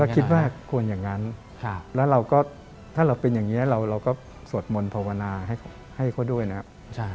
คิดว่าควรอย่างนั้นแล้วเราก็ถ้าเราเป็นอย่างนี้เราก็สวดมนต์ภาวนาให้เขาด้วยนะครับ